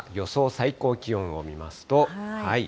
最高気温を見ますと。